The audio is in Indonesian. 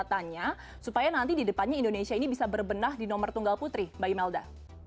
apa nanti di depannya indonesia ini bisa berbenah di nomor tunggal putri mbak imelda